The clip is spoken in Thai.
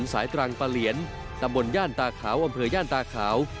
สายตรังปลาเหลียนตำบลย่านตาขาวอำเภอย่านตาขาว